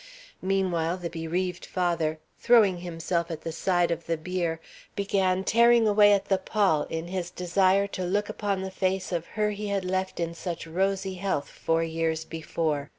Meanwhile the bereaved father, throwing himself at the side of the bier, began tearing away at the pall in his desire to look upon the face of her he had left in such rosy health four years before.